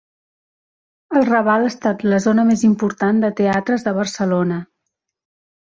El Raval ha estat la zona més important de teatres de Barcelona.